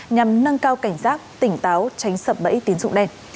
nhằm nâng cao cảnh giác tỉnh táo tránh sập bẫy tín dụng đen